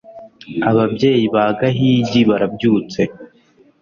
ababyeyi ba gahigi barabyutse